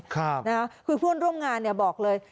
ครับนะครับคือเพื่อนร่วมงานบอกเลย